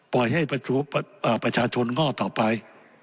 ปล่อยให้ประชาชนง่อต่อไป